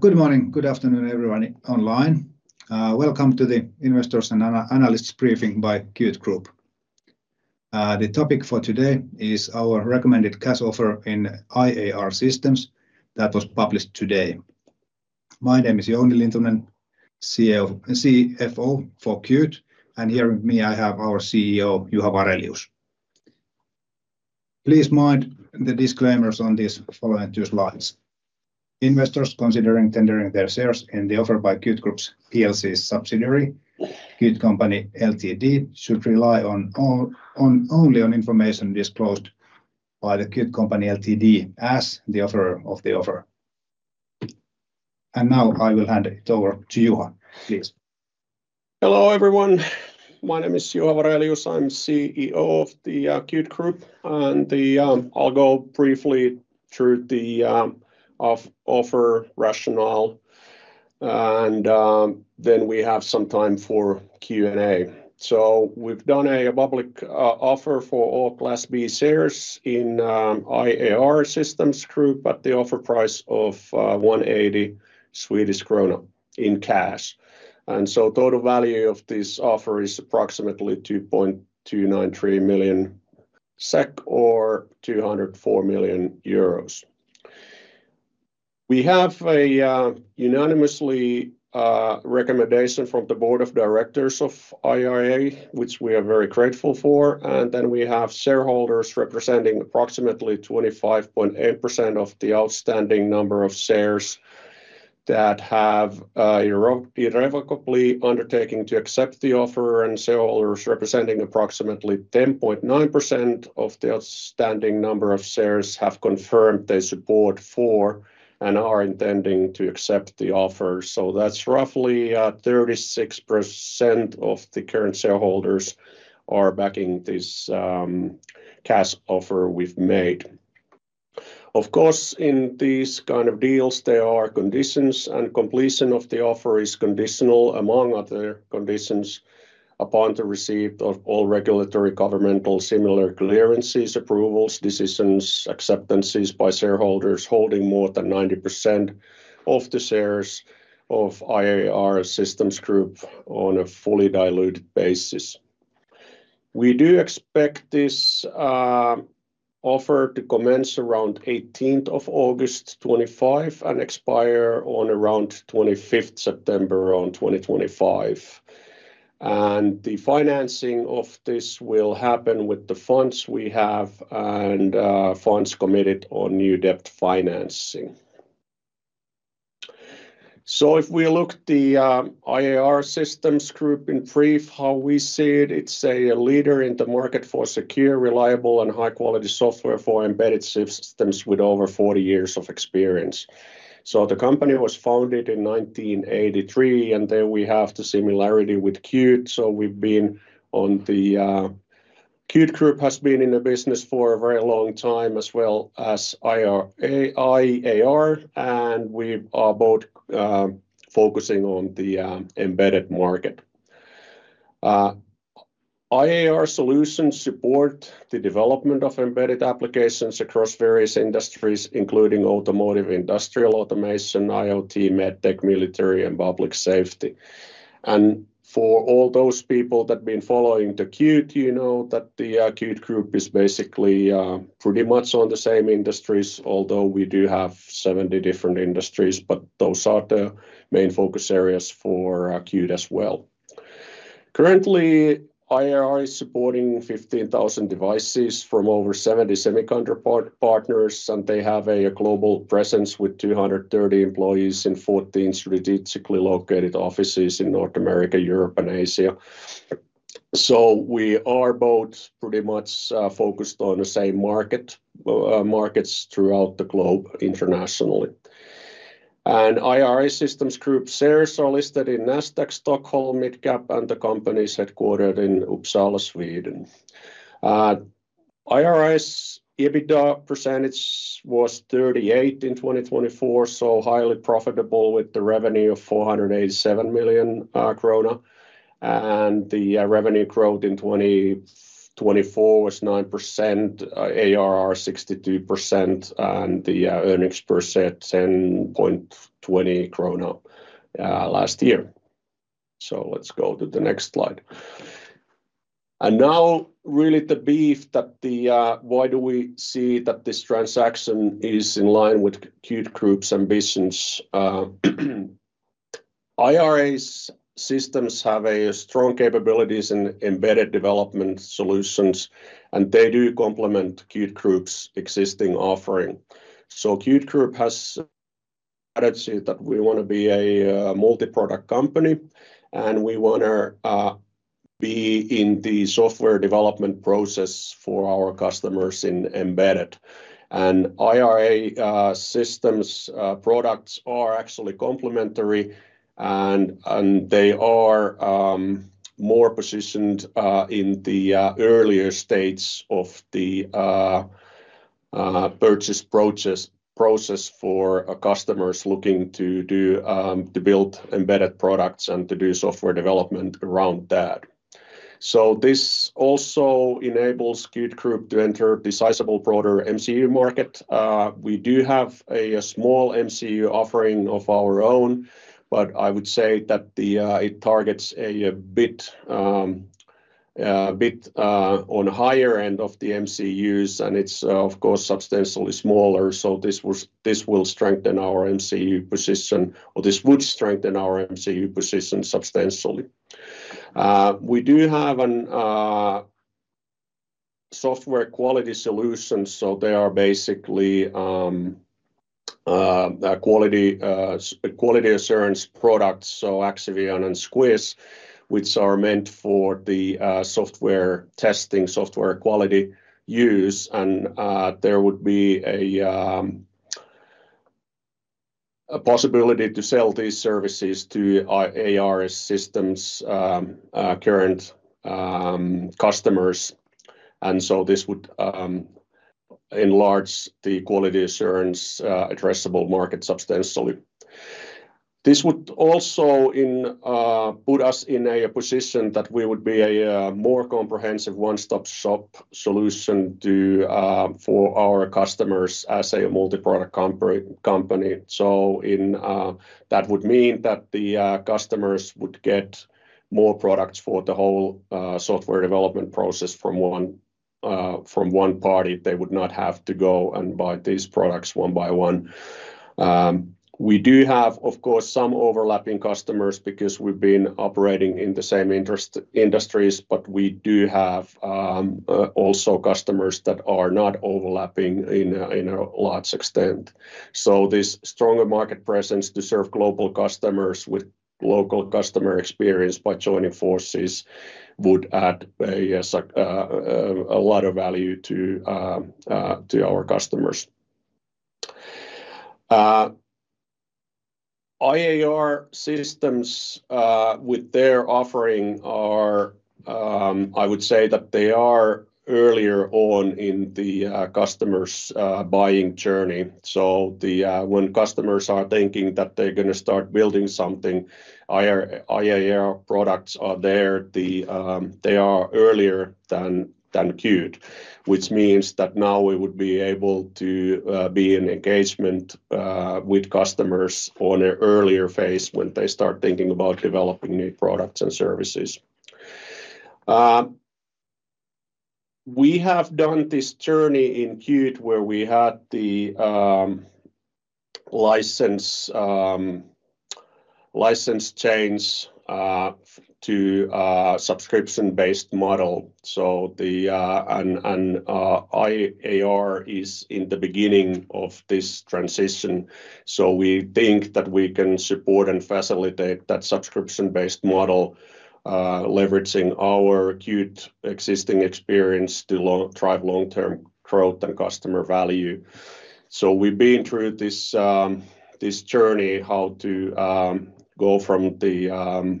Good morning, good afternoon, everyone online. Welcome to the Investors and Analysts Briefing by Qt Group. The topic for today is our recommended cash offer in IAR Systems that was published today. My name is Jouni Lintunen, CFO for Qt, and here with me I have our CEO, Juha Varelius. Please mind the disclaimers on these following two slides. Investors considering tendering their shares in the offer by Qt Group Plc subsidiary, Qt Company Ltd, should rely only on information disclosed by Qt Company Ltd as the offerer of the offer. Now I will hand it over to Juha, please. Hello everyone, my name is Juha Varelius, I'm CEO of the Qt Group, and I'll go briefly through the offer rationale, and then we have some time for Q&A. We've done a public offer for all Class B shares in IAR Systems Group at the offer price of 180 Swedish krona in cash. The total value of this offer is approximately 2.293 million SEK or 204 million euros. We have a unanimous recommendation from the Board of Directors of IRA, which we are very grateful for, and we have shareholders representing approximately 25.8% of the outstanding number of shares that have irrevocably undertaken to accept the offer, and shareholders representing approximately 10.9% of the outstanding number of shares have confirmed their support for and are intending to accept the offer. That's roughly 36% of the current shareholders backing this cash offer we've made. Of course, in these kinds of deals, there are conditions, and completion of the offer is conditional, among other conditions, upon the receipt of all regulatory, governmental, similar clearances, approvals, decisions, acceptances by shareholders holding more than 90% of the shares of IAR Systems Group on a fully diluted basis. We do expect this offer to commence around 18th of August 2025 and expire on around 25th September 2025, and the financing of this will happen with the funds we have and funds committed on new debt financing. If we look at the IAR Systems Group in brief, how we see it, it's a leader in the market for secure, reliable, and high-quality software for embedded systems with over 40 years of experience. The company was founded in 1983, and there we have the similarity with Qt, so we've been on the Qt Group has been in the business for a very long time, as well as IAR, and we are both focusing on the embedded market. IAR solutions support the development of embedded applications across various industries, including automotive, industrial automation, IoT, MedTech, military, and public safety. And for all those people that have been following the Qt, you know that the Qt Group is basically pretty much on the same industries, although we do have 70 different industries, but those are the main focus areas for Qt as well. Currently, IAR is supporting 15,000 devices from over 70 semiconductor partners, and they have a global presence with 230 employees in 14 strategically located offices in North America, Europe, and Asia. We are both pretty much focused on the same markets throughout the globe internationally. IAR Systems Group shares are listed in Nasdaq Stockholm Midcap, and the company is headquartered in Uppsala, Sweden. IAR's EBITDA percentage was 38% in 2024, so highly profitable with the revenue of 487 million krona, and the revenue growth in 2024 was 9%. IAR 62%, and the earnings per share 10.20 krona last year. Let's go to the next slide. Now really the beef that the why do we see that this transaction is in line with Qt Group's ambitions. IAR Systems have strong capabilities in embedded development solutions, and they do complement Qt Group's existing offering. Qt Group has stated that we want to be a multi-product company, and we want to be in the software development process for our customers in embedded. IAR Systems products are actually complementary, and they are more positioned in the earlier stage of the purchase process for customers looking to build embedded products and to do software development around that. This also enables Qt Group to enter a decisively broader MCU market. We do have a small MCU offering of our own, but I would say that it targets a bit on the higher end of the MCUs, and it is of course substantially smaller, so this will strengthen our MCU position, or this would strengthen our MCU position substantially. We do have software quality solutions, so they are basically quality assurance products, so Axivion and Squish, which are meant for the software testing, software quality use, and there would be a possibility to sell these services to IAR Systems' current customers, and this would enlarge the quality assurance addressable market substantially. This would also put us in a position that we would be a more comprehensive one-stop shop solution for our customers as a multi-product company. That would mean that the customers would get more products for the whole software development process from one party. They would not have to go and buy these products one by one. We do have, of course, some overlapping customers because we've been operating in the same industries, but we do have also customers that are not overlapping in a large extent. This stronger market presence to serve global customers with local customer experience by joining forces would add a lot of value to our customers. IAR Systems, with their offering, I would say that they are earlier on in the customers' buying journey. When customers are thinking that they're going to start building something, IAR products are there; they are earlier than Qt, which means that now we would be able to be in engagement with customers on an earlier phase when they start thinking about developing new products and services. We have done this journey in Qt where we had the license change to a subscription-based model, and IAR is in the beginning of this transition. We think that we can support and facilitate that subscription-based model, leveraging our Qt existing experience to drive long-term growth and customer value. We've been through this journey, how to go from the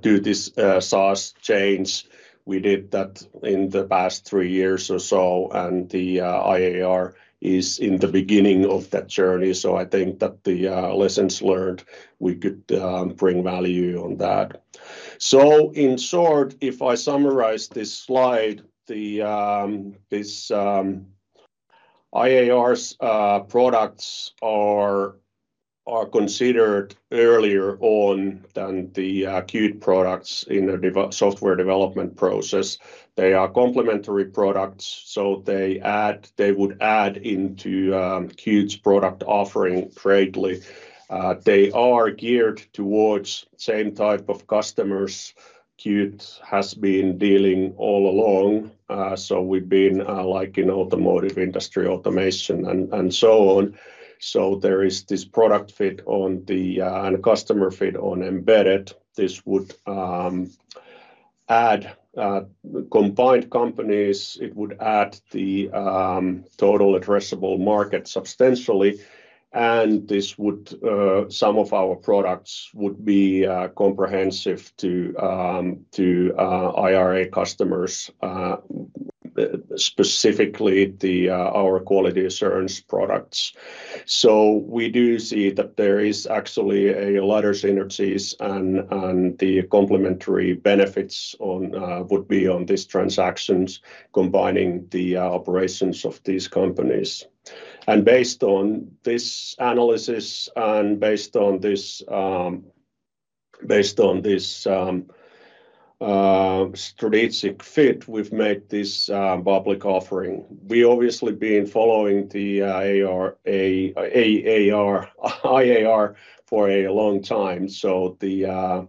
do this SaaS change. We did that in the past three years or so, and the IAR is in the beginning of that journey. I think that the lessons learned, we could bring value on that. In short, if I summarize this slide, IAR's products are considered earlier on than the Qt products in the software development process. They are complementary products, so they would add into Qt's product offering greatly. They are geared towards the same type of customers Qt has been dealing with all along. We've been like in automotive industry automation and so on. There is this product fit and customer fit on embedded. This would add combined companies, it would add the total addressable market substantially, and some of our products would be comprehensive to IRA customers, specifically our quality assurance products. We do see that there is actually a lot of synergies, and the complementary benefits would be on these transactions combining the operations of these companies. Based on this analysis and based on this strategic fit, we've made this public offering. We've obviously been following the IAR for a long time, so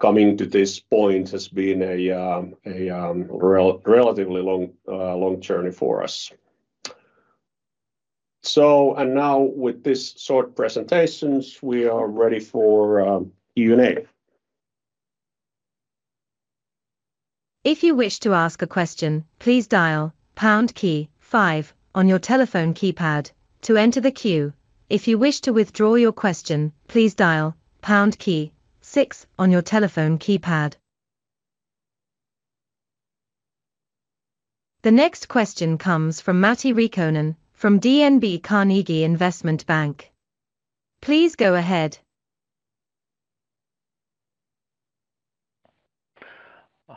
coming to this point has been a relatively long journey for us. Now with these short presentations, we are ready for Q&A. If you wish to ask a question, please dial pound key five on your telephone keypad to enter the queue. If you wish to withdraw your question, please dial pound key six on your telephone keypad. The next question comes from Matti Riikonen from DNB Carnegie Investment Bank. Please go ahead.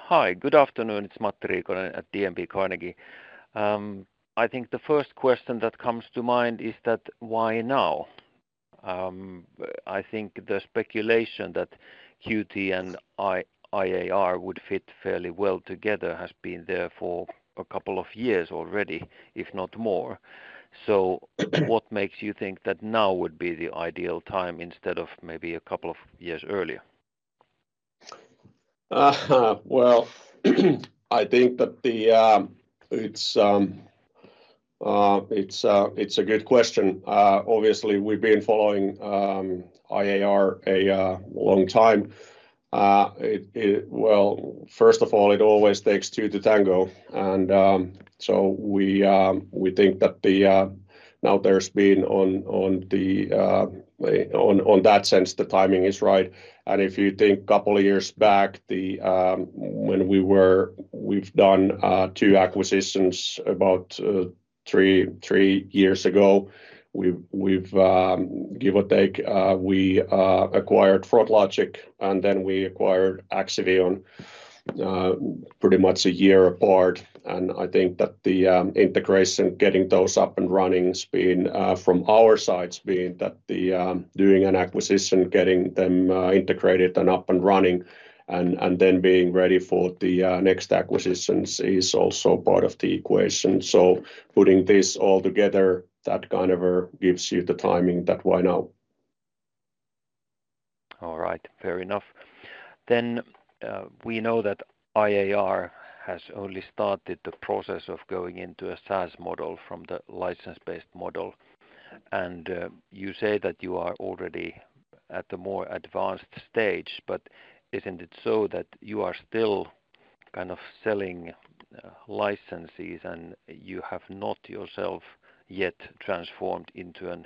Hi, good afternoon. It's Matti Riikonen at DNB Carnegie. I think the first question that comes to mind is that why now? I think the speculation that Qt and IAR would fit fairly well together has been there for a couple of years already, if not more. What makes you think that now would be the ideal time instead of maybe a couple of years earlier? I think that it's a good question. Obviously, we've been following IAR a long time. First of all, it always takes two to tango, and we think that now there's been, in that sense, the timing is right. If you think a couple of years back, when we've done two acquisitions about three years ago, give or take, we acquired Froglogic, and then we acquired Axivion pretty much a year apart. I think that the integration, getting those up and running, from our side, being that doing an acquisition, getting them integrated and up and running, and then being ready for the next acquisitions is also part of the equation. Putting this all together, that kind of gives you the timing, why now? All right, fair enough. Then we know that IAR has only started the process of going into a SaaS model from the license-based model, and you say that you are already at a more advanced stage, but isn't it so that you are still kind of selling licenses, and you have not yourself yet transformed into a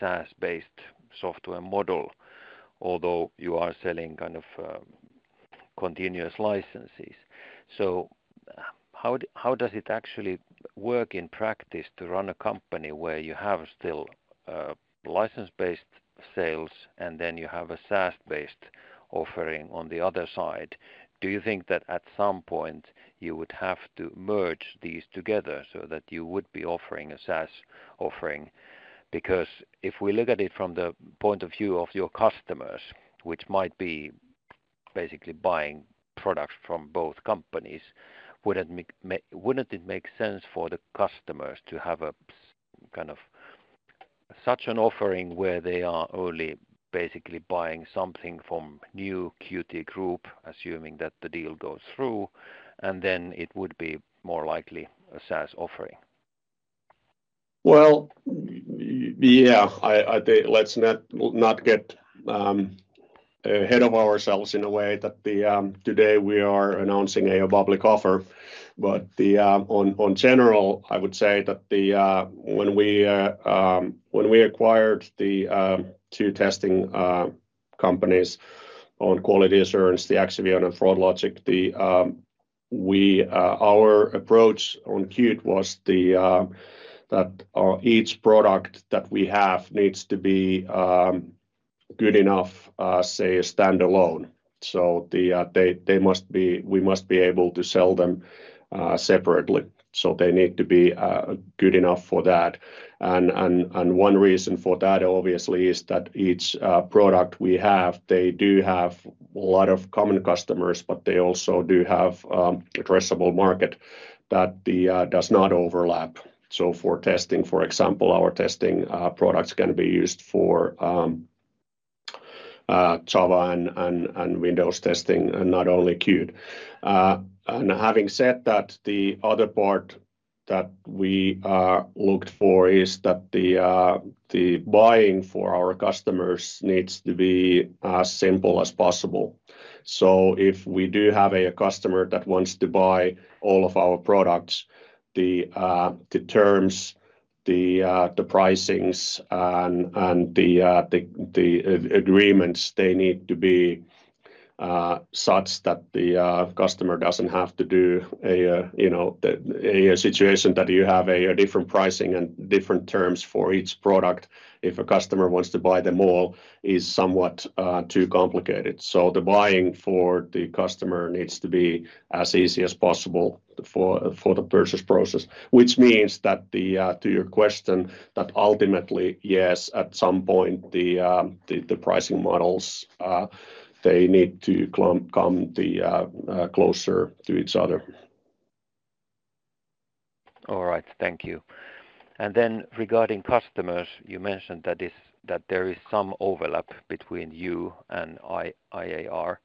SaaS-based software model, although you are selling kind of continuous licenses? How does it actually work in practice to run a company where you have still license-based sales, and then you have a SaaS-based offering on the other side? Do you think that at some point you would have to merge these together so that you would be offering a SaaS offering? Because if we look at it from the point of view of your customers, which might be basically buying products from both companies, wouldn't it make sense for the customers to have kind of such an offering where they are only basically buying something from new Qt Group, assuming that the deal goes through, and then it would be more likely a SaaS offering? Yeah, let's not get ahead of ourselves in a way that today we are announcing a public offer, but on general, I would say that when we acquired the two testing companies on quality assurance, the Axivion and Froglogic, our approach on Qt was that each product that we have needs to be good enough, say, standalone. They must be, we must be able to sell them separately. They need to be good enough for that. One reason for that, obviously, is that each product we have, they do have a lot of common customers, but they also do have an addressable market that does not overlap. For testing, for example, our testing products can be used for Java and Windows testing, not only Qt. Having said that, the other part that we looked for is that the buying for our customers needs to be as simple as possible. If we do have a customer that wants to buy all of our products, the terms, the pricings, and the agreements, they need to be such that the customer does not have to do a situation that you have a different pricing and different terms for each product. If a customer wants to buy them all, it is somewhat too complicated. The buying for the customer needs to be as easy as possible for the purchase process, which means that to your question, ultimately, yes, at some point, the pricing models, they need to come closer to each other. All right, thank you. Regarding customers, you mentioned that there is some overlap between you and IAR,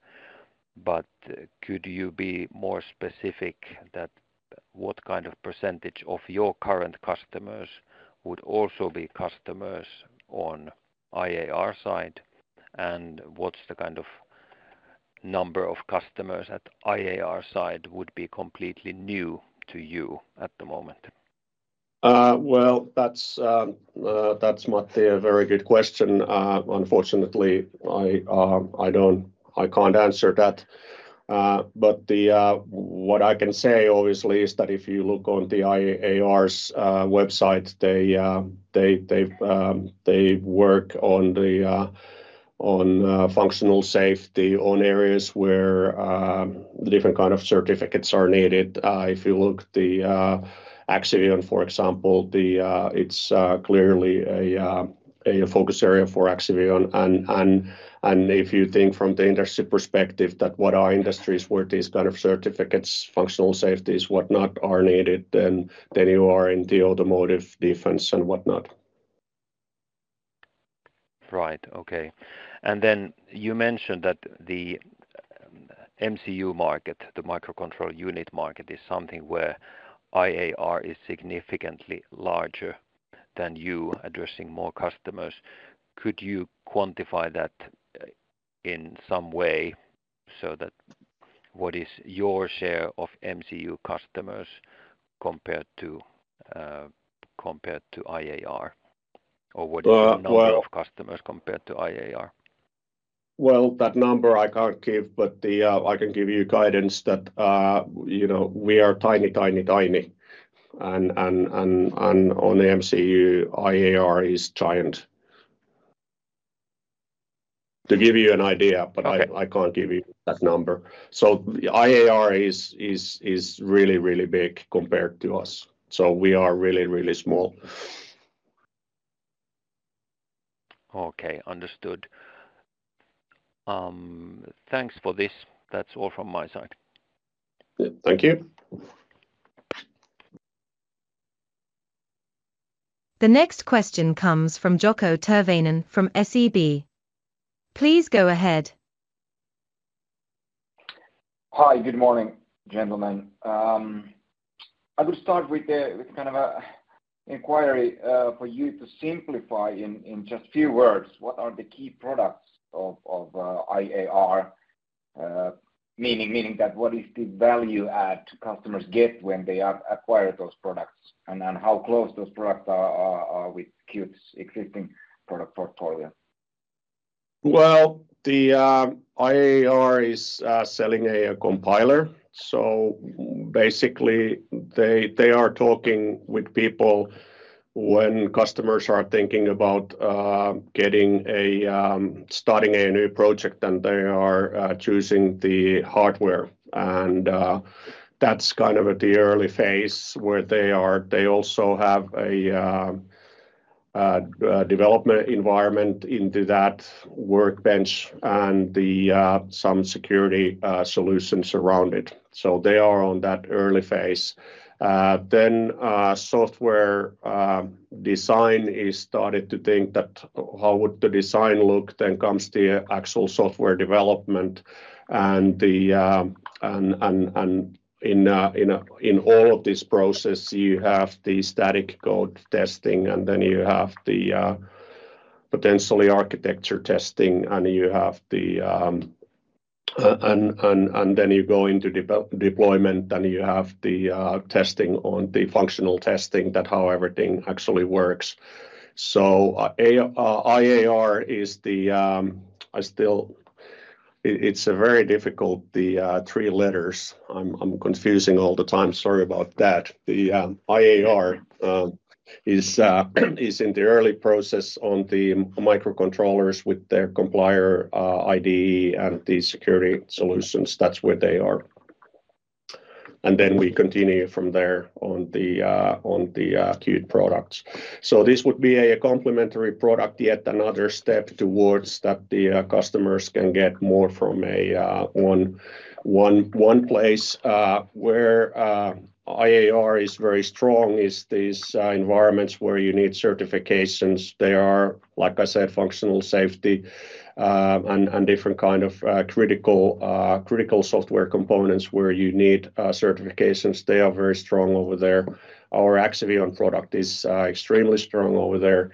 but could you be more specific about what kind of percentage of your current customers would also be customers on the IAR side, and what is the kind of number of customers at the IAR side that would be completely new to you at the moment? That's not a very good question. Unfortunately, I can't answer that. What I can say, obviously, is that if you look on IAR's website, they work on functional safety on areas where different kinds of certificates are needed. If you look at Axivion, for example, it's clearly a focus area for Axivion. If you think from the industry perspective that what are industries where these kinds of certificates, functional safeties, whatnot are needed, then you are in the automotive, defense, and whatnot. Right, okay. You mentioned that the MCU market, the microcontroller unit market, is something where IAR is significantly larger than you, addressing more customers. Could you quantify that in some way so that what is your share of MCU customers compared to IAR, or what is the number of customers compared to IAR? That number I can't give, but I can give you guidance that we are tiny, tiny, tiny. On the MCU, IAR is giant. To give you an idea, but I can't give you that number. IAR is really, really big compared to us. We are really, really small. Okay, understood. Thanks for this. That's all from my side. Thank you. The next question comes from Jaakko Tyrväinen from SEB. Please go ahead. Hi, good morning, gentlemen. I would start with kind of an inquiry for you to simplify in just a few words. What are the key products of IAR, meaning that what is the value add customers get when they acquire those products, and how close those products are with Qt's existing product portfolio? IAR is selling a compiler. Basically, they are talking with people when customers are thinking about starting a new project, and they are choosing the hardware. That's kind of at the early phase where they are. They also have a development environment into that workbench and some security solutions around it. They are on that early phase. Then software design is started to think that how would the design look, then comes to actual software development. In all of this process, you have the static code testing, and then you have potentially architecture testing, and then you go into deployment, and you have the testing on the functional testing that how everything actually works. IAR is the—it's very difficult, the three letters. I'm confusing all the time. Sorry about that. The IAR is in the early process on the microcontrollers with their compiler ID and the security solutions. That's where they are. We continue from there on the Qt products. This would be a complementary product, yet another step towards that the customers can get more from one place. Where IAR is very strong is these environments where you need certifications. They are, like I said, functional safety and different kinds of critical software components where you need certifications. They are very strong over there. Our Axivion product is extremely strong over there.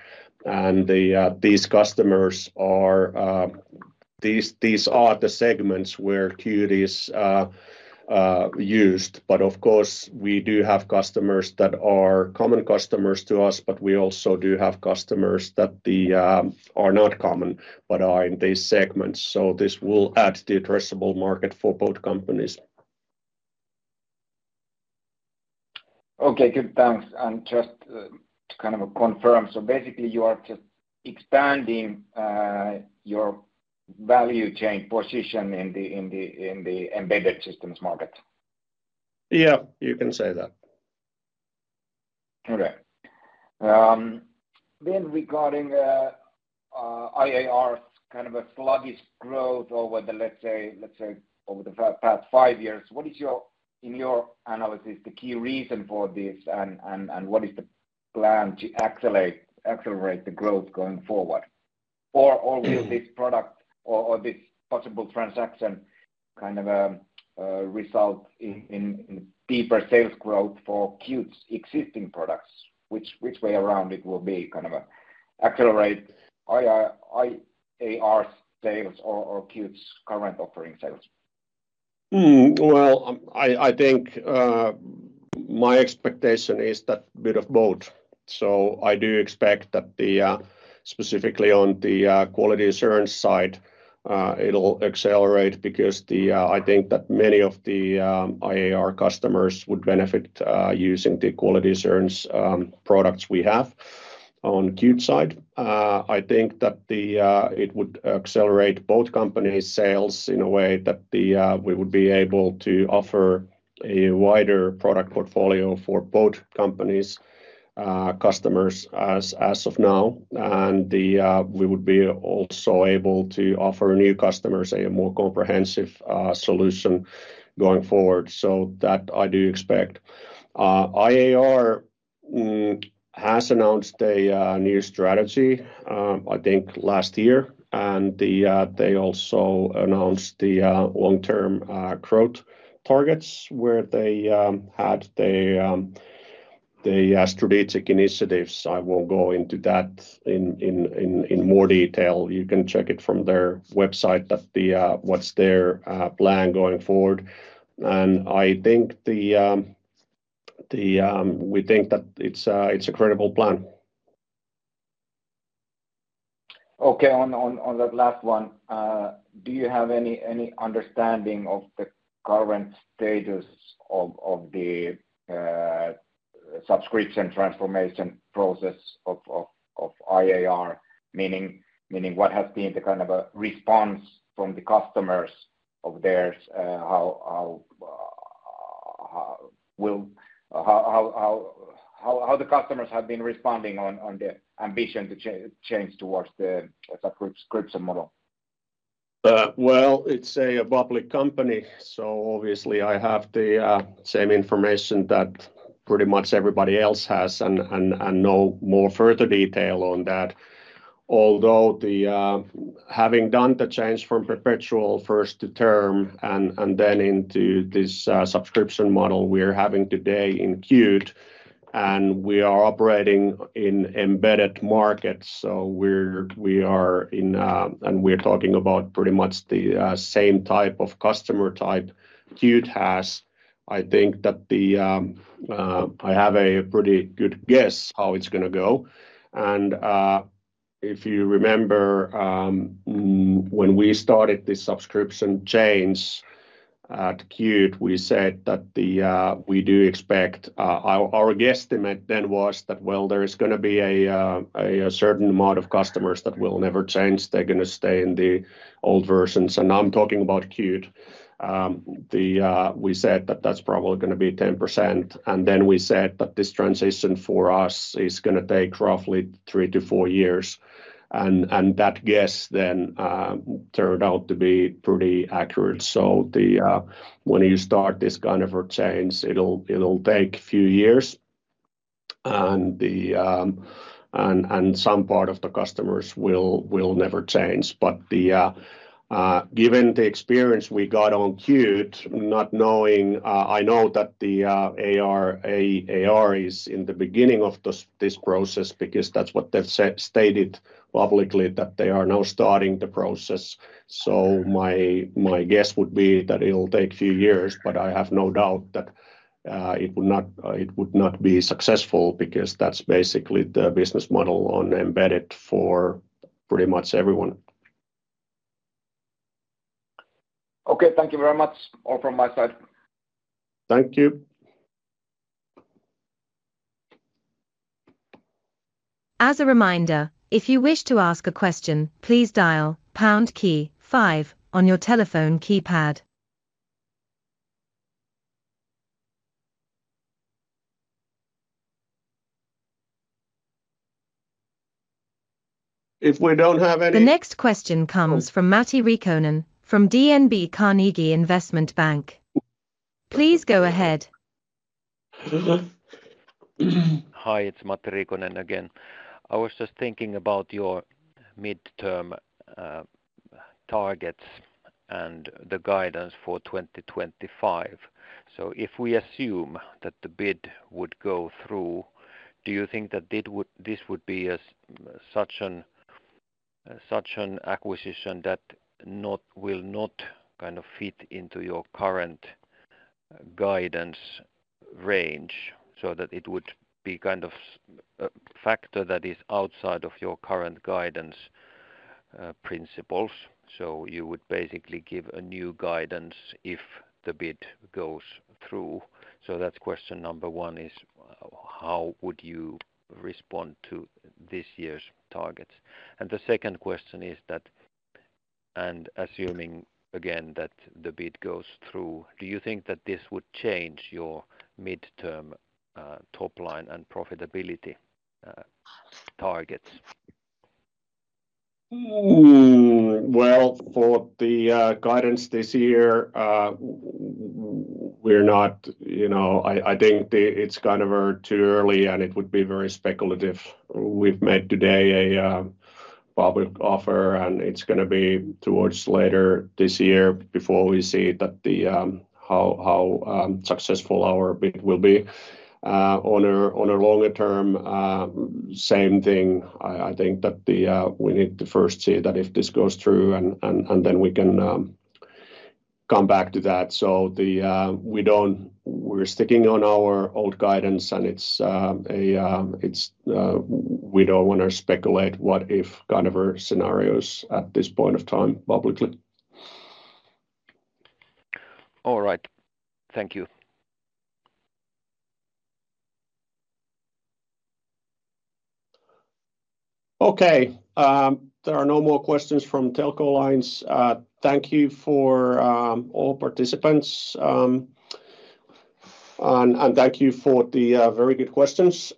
These customers are the segments where Qt is used. Of course, we do have customers that are common customers to us, but we also do have customers that are not common but are in these segments. This will add to the addressable market for both companies. Okay, good. Thanks. Just to kind of confirm, you are just expanding your value chain position in the embedded systems market. Yeah, you can say that. Okay. Then regarding IAR's kind of sluggish growth over the, let's say, over the past five years, what is your, in your analysis, the key reason for this, and what is the plan to accelerate the growth going forward? Or will this product or this possible transaction kind of result in deeper sales growth for Qt's existing products? Which way around it will it be, kind of accelerate IAR's sales or Qt's current offering sales? I think my expectation is that a bit of both. I do expect that specifically on the quality assurance side, it'll accelerate because I think that many of the IAR customers would benefit using the quality assurance products we have on Qt side. I think that it would accelerate both companies' sales in a way that we would be able to offer a wider product portfolio for both companies' customers as of now. We would be also able to offer new customers a more comprehensive solution going forward. That I do expect. IAR has announced a new strategy, I think, last year. They also announced the long-term growth targets where they had their strategic initiatives. I won't go into that in more detail. You can check it from their website, what's their plan going forward. I think we think that it's a credible plan. Okay, on that last one, do you have any understanding of the current status of the subscription transformation process of IAR, meaning what has been the kind of response from the customers of theirs? How the customers have been responding on the ambition to change towards the subscription model? It is a public company. Obviously, I have the same information that pretty much everybody else has and no more further detail on that. Although having done the change from perpetual first to term and then into this subscription model we are having today in Qt, and we are operating in embedded markets. We are in, and we are talking about pretty much the same type of customer type Qt has. I think that I have a pretty good guess how it is going to go. If you remember, when we started the subscription chains at Qt, we said that we do expect—our guesstimate then was that, well, there is going to be a certain amount of customers that will never change. They are going to stay in the old versions. I am talking about Qt. We said that is probably going to be 10%. We said that this transition for us is going to take roughly three to four years. That guess then turned out to be pretty accurate. When you start this kind of change, it'll take a few years. Some part of the customers will never change. Given the experience we got on Qt, not knowing, I know that IAR is in the beginning of this process because that's what they've stated publicly, that they are now starting the process. My guess would be that it'll take a few years, but I have no doubt that it would not be successful because that's basically the business model on embedded for pretty much everyone. Okay, thank you very much. All from my side. Thank you. As a reminder, if you wish to ask a question, please dial pound key five on your telephone keypad. If we don't have any. The next question comes from Matti Riikonen from DNB Carnegie Investment Bank. Please go ahead. Hi, it's Matti Riikonen again. I was just thinking about your midterm targets and the guidance for 2025. If we assume that the bid would go through, do you think that this would be such an acquisition that will not kind of fit into your current guidance range so that it would be kind of a factor that is outside of your current guidance principles? You would basically give a new guidance if the bid goes through. That is question number one, how would you respond to this year's targets? The second question is that, and assuming again that the bid goes through, do you think that this would change your midterm top line and profitability targets? For the guidance this year, we're not, I think it's kind of too early, and it would be very speculative. We've made today a public offer, and it's going to be towards later this year before we see how successful our bid will be. On a longer term, same thing. I think that we need to first see that if this goes through, and then we can come back to that. We're sticking on our old guidance, and we don't want to speculate what if kind of scenarios at this point of time publicly. All right. Thank you. Okay. There are no more questions from Telco Lines. Thank you for all participants. And thank you for the very good questions.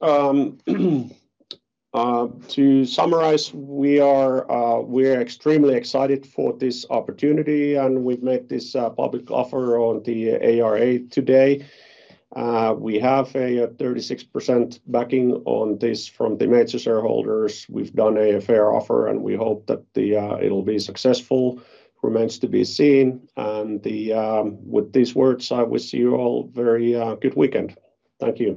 To summarize, we are extremely excited for this opportunity, and we've made this public offer on the IAR today. We have a 36% backing on this from the major shareholders. We've done a fair offer, and we hope that it'll be successful. Remains to be seen. With these words, I wish you all a very good weekend. Thank you.